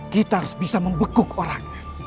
kita harus bisa membekuk orang